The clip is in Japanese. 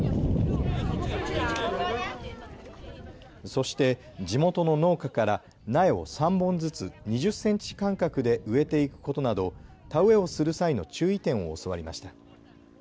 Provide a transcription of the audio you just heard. そして地元の農家から苗を３本ずつ２０センチ間隔で植えていくことなど田植えをする際の注意点を教わりました。